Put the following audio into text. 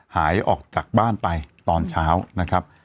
หายออกจากบ้านไปตอนเช้านะครับ